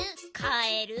かえる？